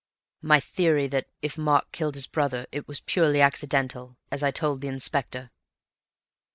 "My theory that, if Mark killed his brother, it was purely accidental—as I told the Inspector."